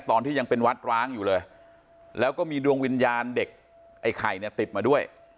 ตอนที่ยังเป็นวัดร้างอยู่เลยแล้วก็มีดวงวิญญาณเด็กไอ้ไข่เนี่ยติดมาด้วย